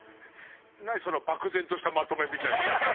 何その漠然としたまとめみたいな？